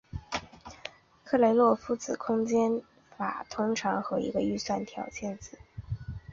克雷洛夫子空间法通常和一个预条件算子和一个内牛顿迭代一起使用。